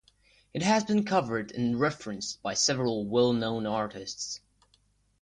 It has been covered and referenced by several well known artists.